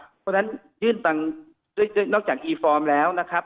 เพราะฉะนั้นยื่นตังค์ด้วยนอกจากอีฟอร์มแล้วนะครับ